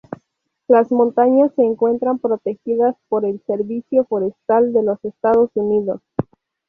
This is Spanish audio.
Las montañas se encuentran protegidas por el Servicio Forestal de los Estados Unidos.